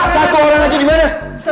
satu orang aja dimana